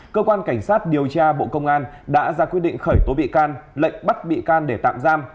cơ quan cảnh sát điều tra bộ công an đã ra quyết định khởi tố bị can lệnh bắt bị can để tạm giam